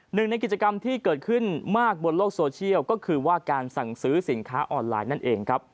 หนึ่งในกิจกรรมที่เกิดขึ้นมากบนโลกโซเชียลก็คือว่าการสั่งซื้อสินค้าออนไลน์นั่นเองครับ